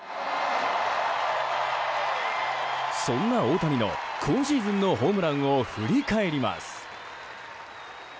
そんな大谷の今シーズンのホームランを振り返ります。